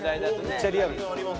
めっちゃリアルですよ。